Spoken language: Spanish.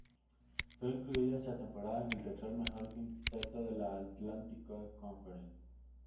Fue incluido esa temporada en el tercer mejor quinteto de la Atlantic Coast Conference.